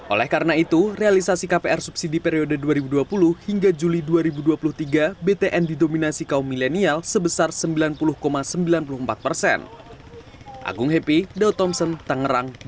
oleh karena itu realisasi kpr subsidi periode dua ribu dua puluh hingga juli dua ribu dua puluh tiga btn didominasi kaum milenial sebesar sembilan puluh sembilan puluh empat persen